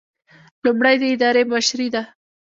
لومړی د ادارې مشري ده.